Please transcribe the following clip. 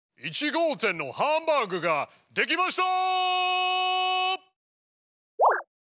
「１号店のハンバーグができました！」。